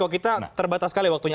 kita terbatas sekali waktunya